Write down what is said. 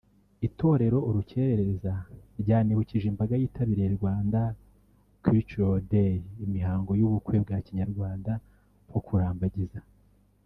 Itorero urukerereza ryanibukije imbaga yitabiriye Rwanda Curtural Day imihango y’ubukwe bwa Kinyarwanda nko kurambagiza